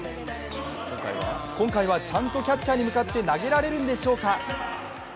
今回はちゃんとキャッチャーに向かって投げられるんでしょうか。